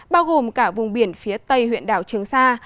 bao gồm cả vùng biển phía tây huyện đảo trường sa